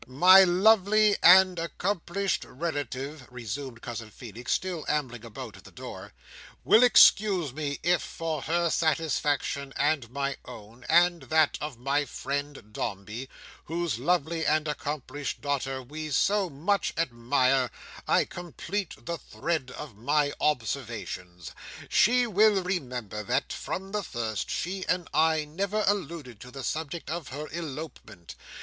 "My lovely and accomplished relative," resumed Cousin Feenix, still ambling about at the door, "will excuse me, if, for her satisfaction, and my own, and that of my friend Dombey, whose lovely and accomplished daughter we so much admire, I complete the thread of my observations. She will remember that, from the first, she and I never alluded to the subject of her elopement.